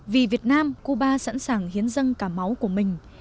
vì việt nam cuba sẵn sàng hiến dâng cả máu của mình